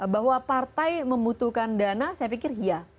bahwa partai membutuhkan dana saya pikir iya